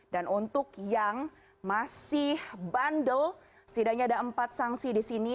dan untuk yang masih bandel setidaknya ada empat sanksi di sini